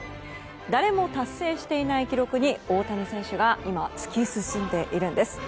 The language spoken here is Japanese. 誰も達成していない記録に大谷選手が今、突き進んでいるんです。